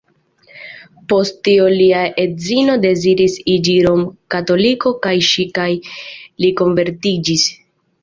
Post tio lia edzino deziris iĝi rom-katoliko, kaj ŝi kaj li konvertiĝis.